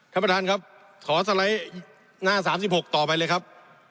ท่านประธานครับขอสไลด์หน้า๓๖ต่อไปเลยครับ